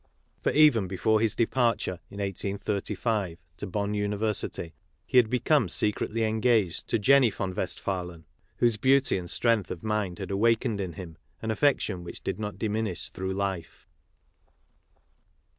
For even before his departure, in 1835, KARL MARX 7 to Bonn University, he had become secretly engaged to Jenny von Westphalen, whose beauty and strength of mind had awakened in him an affection which did not diminish through life.